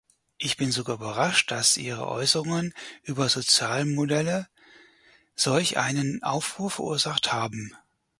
Ich bin sogar überrascht, dass Ihre Äußerungen über Sozialmodelle solch einen Aufruhr verursacht haben.